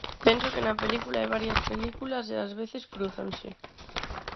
Penso que na película hai varias películas e ás veces crúzanse.